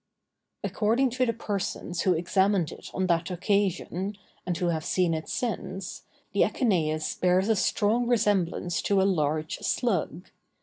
According to the persons who examined it on that occasion, and who have seen it since, the echeneïs bears a strong resemblance to a large slug.